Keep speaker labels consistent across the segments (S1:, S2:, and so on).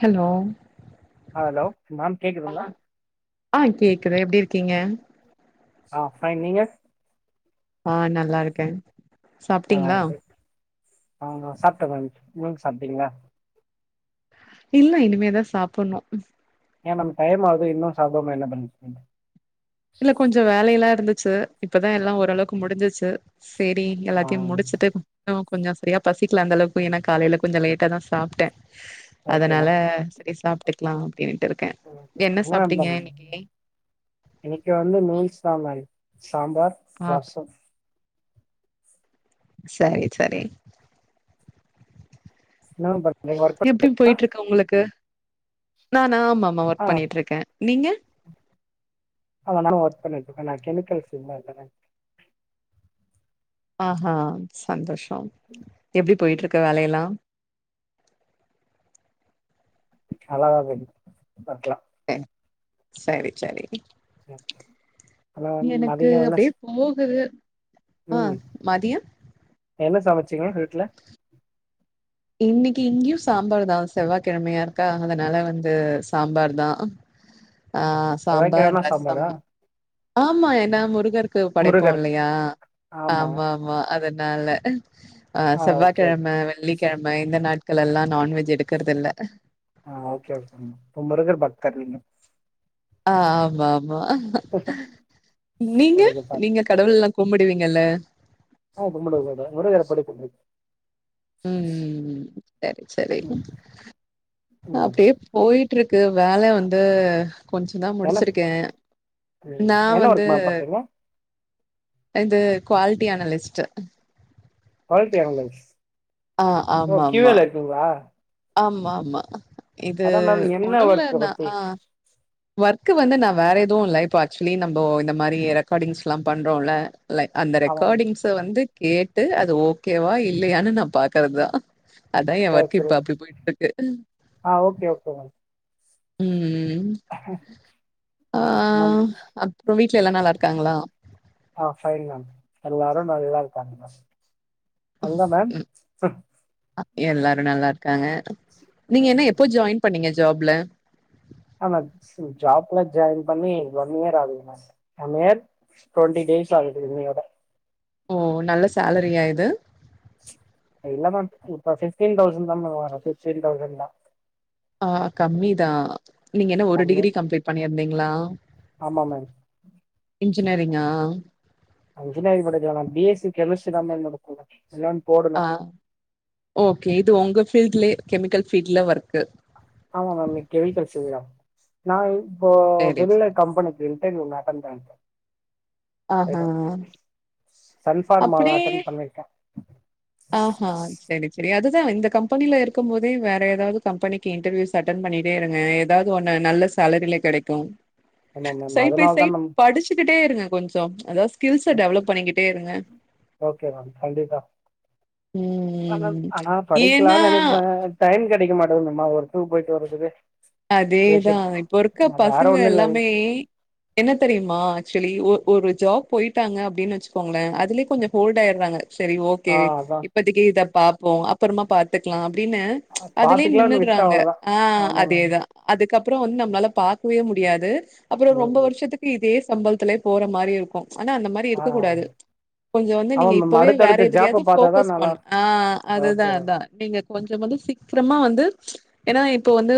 S1: Hello
S2: அ hello ma'am கேகு
S1: இப்ப மேம் ஆ கேக்குது எப்டி இருக்கீங்க
S2: ஆ பைன் நீங்க
S1: ஆ நல்லாருக்கே
S2: நல்லா
S1: சாப்டிங்ளா
S2: இருக்கு ஆ நா சாப்ட மேம் நீங்க சாப்டிங்ளா
S1: இல்ல இனிமேதா சாப்புண்ணு
S2: ஏ மேம் டைம்மாகுது இன்னு சாப்டாம என்ன பண்ணிட்ருக்கீங்க
S1: இல்ல கொஞ்சொ வேலை எல்லா இருந்துச்சு இப்பதா எல்லா ஓரளவுக்கு முடிஞ்சுச்சு செரி
S2: ஆ
S1: எல்லாத்தையு முடிச்சுட்டு நமக் கொஞ்சொ செரியா பசிக்ல அந்த அளவுக்கு ஏனா காலேல கொஞ்சோ லேட்டாதா சாப்ட்ட
S2: ஓகே
S1: அதனால
S2: மேம்
S1: செரி சாப்ட்டுக்லா அப்டின்னுட்டு இருக்கே என்ன சாப்ட்டீங்க இன்னக்கி
S2: இன்னக்கி வந்து மீல் சாலான் சாம்பார்
S1: ஆ
S2: ரசம்
S1: சரி சரி
S2: நம்பர்
S1: எப்டி போயிட்ருக்கு உங்களுக்கு நானா ஆமாமா
S2: ஆ
S1: ஒர்க் பண்ணிட்ருக்கே நீங்க
S2: அதனால ஒர்க் பண்ணிட்ருக்கே நா கெமிக்கல்ஸ் உள்ள இருக்கேங்க
S1: ஆஹா சந்தோஷோ எப்டி போயிட்ருக்கு வேலையெல்லா
S2: நல்லாதா போது ஒர்க்லா
S1: எ சரி செரி
S2: ம்
S1: எனக்கு அப்டியே போகுது ஆ
S2: ம்
S1: மதியம்
S2: என்ன சமச்சிங்க வீட்ல
S1: இன்னிக்கி இங்கயு சாம்பார்தா செவ்வாக்கிழமையா இருக்கா அதனால வந்து சாம்பார்தா ஆ சாம்பார்
S2: செவ்வாய்க்கிழமனா
S1: ரசம்
S2: சாம்பாரா
S1: ஆமா ஏனா முருகருக்கு படைப்போ
S2: முருகர்
S1: இல்லையா
S2: ஆமாங்க
S1: ஆமா ஆமா அத னால ஆ செவ்வாய்க்கிழம வெள்ளிக்கிழமை இந்த நாட்கள் எல்லா நான்வெஜ் எடுக்கறதுல்ல
S2: ஆ ஓகே ஓகே முருகர் பக்தர் நீங்க
S1: ஆ ஆமா ஆமா நீங்க
S2: முருகர் பக்தர்.
S1: நீங்க கடவுள்லா கும்புடுவீங்கல்ல
S2: ஆ கும்புடுவே மேடோ முருகர படைப்போ
S1: ம் ம் ம் செரி செரி
S2: ம் ம்
S1: அப்டியே போயிட்ருக்கு வேல வந்து கொஞ்ச தா
S2: என்ன
S1: முடிச்சிருக்கே
S2: ம்
S1: நா
S2: என்ன
S1: வந்து
S2: ஒர்க் மேம் பண்றீங்க
S1: இது குவாலிட்டி அனலிஸ்ட்
S2: குவாலிட்டி அனலைஸ்
S1: ஆ
S2: ஓ கியூ ஏ ல இருக்கீங்களா
S1: ஆமா ஆமா இது
S2: அதான் மேம் என்ன
S1: ஒன்னு இல்ல
S2: ஒர்க்
S1: நா
S2: பத்தி
S1: ஆ ஒர்க் வந்து நா வேற எதுவோ இல்ல இப்போ ஆக்சுவலி நம்மோ இந்த மாரி ரெக்கார்டிங்ஸ்லா பண்றோல லை அந்த
S2: ஆமாம்
S1: ரெக்கார்டிங்ஸ வந்து கேட்டு அது ஓகேவா இல்லையானு நா பாக்கறதுதா அதா எ
S2: சரி
S1: ஒர்க்கு
S2: சரி
S1: இப்ப அப்டி போயிட்டு இருக்கு
S2: ஆ ஓகே ஓகே மேம்
S1: ம் ஆ
S2: மேம்
S1: அப்புறோ வீட்ல எல்லா நல்லா இருக்காங்களா
S2: ஆ ஃபைன் மேம் எல்லாரும் நல்ல இருக்காங்க மேம் அதுதான் மேம்
S1: ம் எல்லாரும் நல்ல இருக்காங்க நீங்க என்ன எப் ப்ப ஜாயின் பண்ணீங்க ஜாப்ல
S2: ஆமா ஜாப்ல ஜாயின் பண்ணி ஒன் இயர் ஆகுது ma'am one year twenty days ஆகுது இன்னையோட
S1: ஓ நல்ல சேலரியா இது
S2: இல்ல மேம் இப்ப பிப்டீன் தௌசண்ட் தான் மேம் வரும் பிப்டீன் தௌசண்ட் தான்
S1: ஆ கம்மிதான் நீங்க என்ன ஒரு
S2: கம்மி
S1: டிகிரி கம்ளீட் பண்ணியிருந்தீங்களா
S2: ஆமாங்க
S1: இன்ஜினியரிங்கா
S2: இஞ்சினியரிங் போட்டாச்சு மேம் ஆன பி எஸ் சி கெமிஸ்ட்ரி தான் மேம் வரும் எதோ ஒன்னு போடு
S1: ஆ ஓகே இது உங்க பீல்டிலே கெமிக்கல் ஃபீல்டுல ஒர்க்
S2: ஆமா மேம் கெமிக்கல் பீல்டு தான் நான் இப்போ
S1: சரி, சரி.
S2: விமிலர் கம்பெனி இன்டெர்வியூ ஒன்னு அட்டென் பண்ணி இருக்கேன்
S1: ஆ ஆ
S2: சன்பார்மால அட்டன் பண்ணிருக்கே
S1: ஆ ஆ செரி செரி அதுதா இந்த கம்பெனில இருக்கும் போதே வேற ஏதாவது கம்பெனிக்கு இன்டர்வியூஸ் அட்டன் பண்ணி இரு இப்டியே இருங்க ஏதாது ஒன்னு நல்ல சேலரியில கெடைக்கோ
S2: ஆமா மேம்
S1: சைடு பை
S2: அதனால தான்
S1: சைடு
S2: மேம்
S1: படிச்சுக்கிட்டே இருங்க கொஞ்சம் அதாவது ஸ்கில்ஸ டெவலப் பண்ணிக்கிட்டே இருங்க
S2: ஓகே மேம் கண்டிப்பா
S1: ம்.
S2: ஆனா
S1: ஏன்னா
S2: படிக்கலாம் நெனைப்பேன் டைம் கெடைக்க மாட்டேங்கிதும்மா ஒர்க்க்கு போயிட்டு வர்றதுக்கே
S1: அதேதான் இப்போ இருக்க பசங்க
S2: ஒன்றும் இல்லை
S1: எல்லாமே என்ன தெரியுமா ஆக்சுவலி ஒரு ஜாப் போயிட்டாங்க அப்டின் வச்சுக்கோங்களன் அதுலே கொஞ்சம் ஹோல்டு ஆயிடுறாங்க சரி
S2: ஆ
S1: ஓகே
S2: அதான்
S1: இப்பதைக்கு இத பாப்போம் அப்பறமா பாத்துக்கலாம் அப்டின்னு அதுலயே
S2: பாத்துக்கலாம்னு விட்டேன்
S1: நின்னிடுறாங்க
S2: அவ்வளோதான்
S1: ஆ
S2: ஆமா மேம்
S1: அதுக்கப்பறம் வந்து நம்மளால பாக்கவே முடியாது அப்பறம் ரொம்ப
S2: ம்
S1: வருஷத்துக்கு இதே சம்பளத்துலயே போற மாறி இருக்கும் ஆனா அந்த மாறி
S2: ஆ
S1: இருக்க கூடாது கொஞ்சம் வந்து
S2: ஆமா
S1: நீங்க
S2: மேம்
S1: இப்பவே வேற
S2: அடுத்தடுத்த ஜாப்ப
S1: எதுலயாவது
S2: பாத்தாதா
S1: போக்கஸ்
S2: நல்லா
S1: பண்ணு ஆ
S2: ஓகே
S1: அதுதான்
S2: மேம்
S1: அதான் நீங்க கொஞ்சம் வந்து சீக்கிரமா வந்து ஏன்னா இப்ப வந் து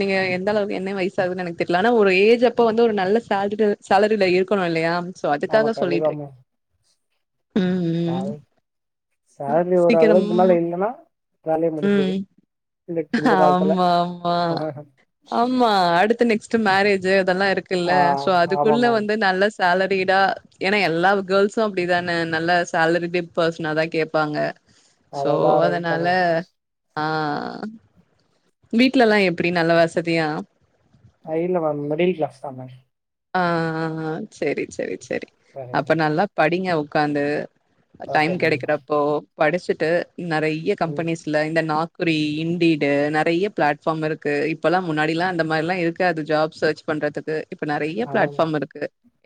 S1: நீங்க எந்த அளவுக்கு என்ன வயசு ஆகுதுன்னு எனக்கு தெரில ஆன ஒரு ஏஜ் அப்ப வந்து ஒரு நல்ல சேலரி சேலரில இருக்கணும் இல்லையா சோ அதுக்காக சொல்லிட்டு இருக்
S2: பாய் சாலரி ஒரு
S1: சீக்கிரம்
S2: அளவுக்கு மேல இல்லைன்னா வேலைய
S1: ம்.
S2: [unintelligible] இந்த இந்த காலத்துல
S1: ஆமா ஆமா ஆமா அடுத்து நெக்ஸ்ட் மேரேஜ் அதெல்லாம் இருக்கு இல்ல
S2: ஆ
S1: சோ
S2: ஆமா
S1: அதுக்குள்ள
S2: மேம்
S1: வந்து நல்ல சேலரிடா ஏன்னா எல்லா கேர்ள்ஸம் அப்படிதானே நல்ல சேலரி பெர்சன தான் கேப்பாங்க சோ
S2: அததா ரைட் தா
S1: அதனால
S2: மேம்
S1: ஆ வீட்ல எல்லாம் எப்படி நல்ல வசதியா
S2: high level ma'am middle class தான் மேம்
S1: ஆ சரி சரி சரி
S2: வேற
S1: அப்ப
S2: எதுவு
S1: நல்லா படிங்க உக்காந்து
S2: ஓகே
S1: டைம்
S2: மேம்
S1: கிடைக்கிறப்போ படிச்சுட்டு நிறைய
S2: ம்
S1: கம்பெனிஸ் இந்த நாக்குறி இண்டீடு நிறைய பிளாட்ஃபார்ம் இருக்கு இப்பல்லாம் முன்னாடி எல்லாம் அந்த மாதிரிலாம் இருக்க காது ஜாப் சேர்ச் பண்றதுக்கு நெறைய
S2: அதா மேம்
S1: பிளாட்ஃபார்ம் இருக்கு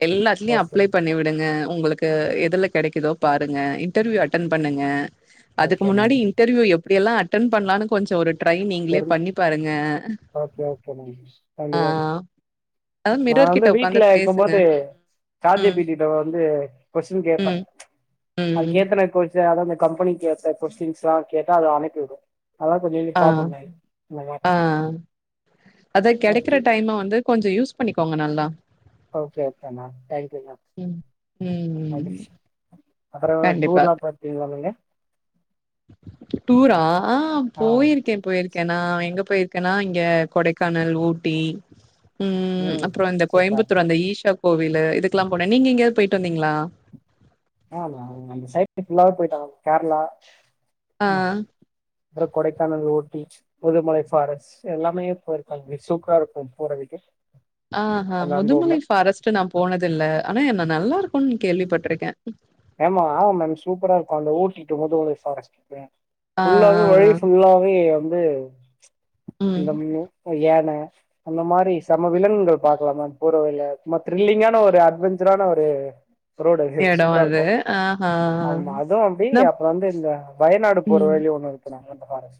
S1: எல்லாத்தலயும்
S2: ஓகே
S1: அப்ளை பண்ணி விடுங்க உங்களுக்கு எதுல கிடைக்குதோ பாருங்க இன்டர்வியூ அட்டென்ட் பண்ணுங்க அதுக்கு
S2: ஓகே மேம்
S1: முன்னாடி இடர்யூ எப்படி எல்லா அட்டன் பண்ணலாம்னு கொஞ்சம் ஒரு ட்ரை நீங்களே
S2: தெரி
S1: பண்ணி பாருங்க
S2: ஓகே ஓகே மேம்
S1: ஆ
S2: கண்டிப்பா மேம்
S1: அத மிரர்கிட்ட உட்காந்து பேசுங்க
S2: சாஜ
S1: ம்
S2: பீட்டில வந்து கொஸின் கேபே
S1: ம்
S2: அது
S1: ம்
S2: கேத்தன அத கம்பெனி கேத்த கோஸ்டின்ஸ் கேட்டா அது அனுப்பிவிடும் அதன கொஞ்ச
S1: ஆ
S2: பாப்பண்ணே இந்த
S1: ஆ
S2: மாரிலா
S1: அதது கிடைக்கிற
S2: முடிச்சு
S1: டைம வந்து கொஞ்ச யூஸ் பண்ணிக்கோங்க நல்லா
S2: okay okay ma'am thank you ma'am
S1: ம்
S2: அது
S1: ம்
S2: அப்பறம் டூர்
S1: கண்டிப்பா
S2: எல்லா பாத்தி சொல்லுங்க
S1: டூரா ஆ
S2: ஆ
S1: போயிருக்கே போயிருக் கேன்னா எங்க போயிருக்கேன்னா இங்க கொடைக்கானல் ஊட்டி உம்
S2: ம்
S1: அப்புறம் இந்த
S2: சூப்பர்
S1: கோயம்புத்தூர் அந்த ஈஷா கோவில் இதுக்கெல்லா போனே நீங்க எங்கேயாவது போயிட்டு வந்தீங்களா
S2: ஆமா அந்த சைட் ஃபுல்லா வே போயிட்டா கேரளா
S1: ஆ
S2: அப்பறம் கொடைக்கானல் ஊட்டி முதுமலை ஃஃபாரஸ்ட் எல்லாமே போயிருக்காங்க சூப்பரா இருக்கும் போறதுக்கு
S1: ஆ அ
S2: அந்த அனுபவமே
S1: முதுமலை ஃபாரஸ்ட் நா போனது இல் ஆனா என்ன நல்லா இருக்கும்ன்னு கேள்விப்பட்ருக்கே
S2: ஆமா ஆமா மேம் சூப்பரா இருக்கும் அந்த ஊட்டிட் டூ முதுமலை ஃபாரஸ்ட்
S1: ஆ
S2: ஃபுல்லாவே
S1: ஆ
S2: வழி
S1: ஆ
S2: ஃபுல்லாவே வந்து
S1: ம்
S2: இந்த யான அந்த மாறி சம விலங்குகள் பாக்கலாம் மேம் போற வழியில சும்மா த்ரில்லிங்கான ஒரு அட்வெஞ்சரான ஒரு [unintelligible] சூப்பரா இருக்கும்
S1: ரே ஆ அ
S2: ஆமா அதுவும் அப்படி அப்புறம் வந்து இந்த வயநாடு போற
S1: ம்
S2: வழில ஒண்ணு இருக்கு நா அந்த பக்க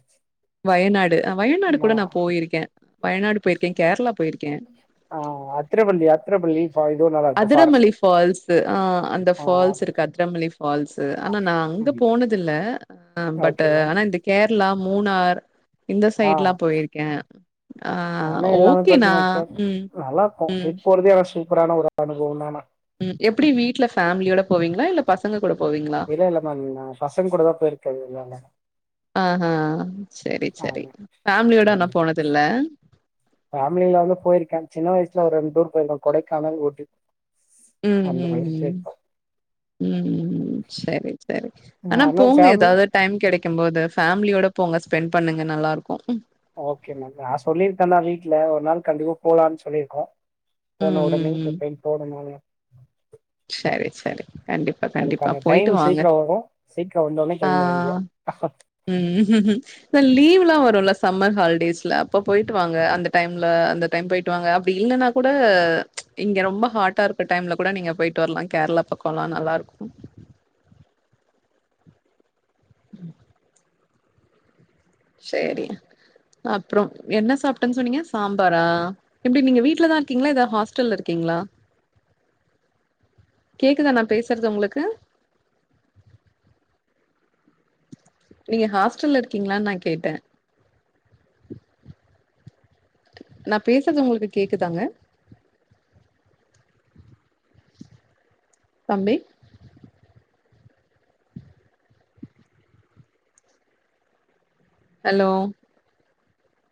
S1: வயநாடு வயநாடு கூட நா போயிருக்கே வயநாடு போயிருக்கே கேரளா போயிருக்கே
S2: ஆ அத்தர பல்லி அத்தர பல்லி ஆ இதுவு நல்ல
S1: அதிரமல்லி ஃபால்ஸ் ஆ அந்த
S2: ஆ
S1: ஃபால்ஸ் இருக்கு அதிரமல்லி ஃபால்ஸ் ஆனா நா அங்க போனது இல் பட்
S2: ஓகே மேம்
S1: ஆனா இந்த கேரளா மூனார் இந்த சைடு எல்லா போயிருக்கே
S2: நானே எல்லாமே படிச்ச வைக்கே
S1: ம்,
S2: நல்லா இருக்கும்
S1: ம்,
S2: ட்ரிப் போறதே சூப்பரான ஒரு அனுபவம் தான
S1: ம் எப்படி வீட்டல பேமிலியோட போவீங்களா இல்ல பசங்க கூட போவீங்களா
S2: இல இல்ல மேம் நா பசங்க கூட தா போயிருக்க எல்லாலா
S1: ஆ சரி சரி ஃபமிலியோட ஆனா போனது இல்ல
S2: ஃபேமிலி இல்லாம போயிருக்கே சின்ன வயசல ஒரு ரெண்டு டூர் போயிருக்கம் கொடைக்கானல் ஊட்டி
S1: ம்
S2: அந்த
S1: ம்
S2: மாரி
S1: ம்
S2: போயிருக்கோ
S1: ம் சரி சரி ஆனா போங்க ஏதாவது டைம் கிடைக்கும் போது ஃபேமிலியோட போங்க ஸ்பெண்ட் பண்ணுங்க நல்லா இருக்கும்
S2: ஓகே மேம் நா சொல்லிருக்கே தா வீட்டுல ஒரு நாள் கண்டிப்பா போலாம்னு சொல்லிருக்கோம்
S1: ம்
S2: போன
S1: ம்
S2: உடனே
S1: ம் ம்
S2: பிளேன் போடணு ஆனா
S1: சரி சரி கண்டிப்பா கண்டிப்பா
S2: அதுக்கான
S1: போயிட்டு
S2: டைம்
S1: வாங்க
S2: சீக்கிரம் வரும் சீக்கிரம் வந்தோனே
S1: ஆ
S2: கிள்ம்ப வேண்டிதா ஆ
S1: ம் லீவ் எல்லா வரும்ல சம்மர் ஹாலிடேஸ்ல அப்ப போயிட்டு வாங்க அந்த டைம்ல அந்த டைம் போயிட்டு வாங்க அப்படி இல்லன்னா கூட இங்க ரொம்ப ஹாட்டா இருக்க டைம்ல கூட நீங்க போயிட்டு வரலாம் கேரளா பக்கம் போனா நல்லாருக்கும் சரி அப்புறம் என்ன சாப்பிட்டன் சொன்னீங்க சாம்பாரா எப்படி நீங்க வீட்லதா இருக்கீங்களா ஏதாவது ஹாஸ்டல்ல இருக்கீங்களா கேக்குதா நா பேசுறது உங்களுக்கு நீங்க ஹாஸ்டல்ல இருக்கீங்களா நா கேட்டே நா பேசுறது உங்களுக்கு கேக்குதாங்க தம்பி ஹலோ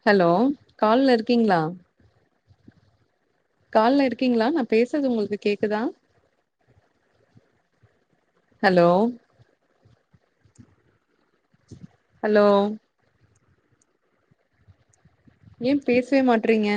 S1: ஹலோ கால்ல இருக்கீங்களா கால்ல இருக்கீங்களா நா பேசுறது உங்களுக்கு கேக்குதா ஹலோ ஹலோ ஏ பேசவே மாட்றீங்க